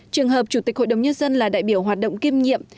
trường hợp chủ tịch hội đồng nhân dân là đại biểu hoạt động kiêm nhiệm